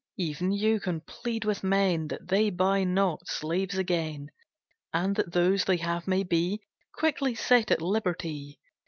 Even you can plead with men That they buy not slaves again, And that those they have may be Quickly set at liberty.